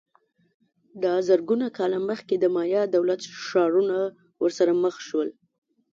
دا زرګونه کاله مخکې د مایا دولت ښارونه ورسره مخ شول